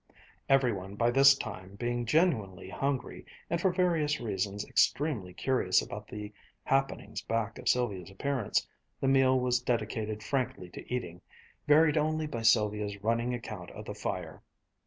Every one by this time being genuinely hungry, and for various reasons extremely curious about the happenings back of Sylvia's appearance, the meal was dedicated frankly to eating, varied only by Sylvia's running account of the fire.